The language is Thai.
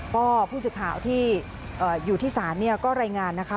ก็ผู้สุดข่าวที่อยู่ที่ศาลก็รายงานนะคะ